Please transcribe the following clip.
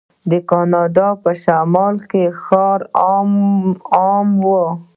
د کاناډا په شمال کې ښکار عام و.